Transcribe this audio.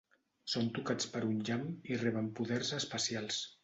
Són tocats per un llamp i reben poders especials.